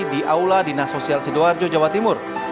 di aula dinas sosial sidoarjo jawa timur